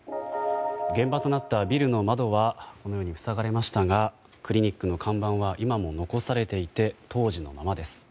現場となったビルの窓はこのように塞がれましたがクリニックの看板は今も残されていて当時のままです。